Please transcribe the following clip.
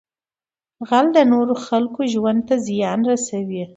غل د نورو خلکو ژوند ته زیان رسوي